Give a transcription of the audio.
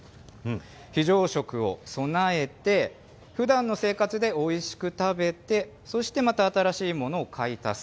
非常食を備えて、ふだんの生活でおいしく食べて、そしてまた新しいものを買い足す。